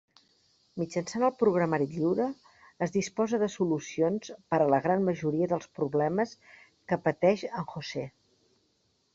Mitjançant el Programari Lliure es disposa de solucions per a la gran majoria dels problemes que pateix en José.